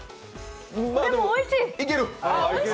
でもおいしい！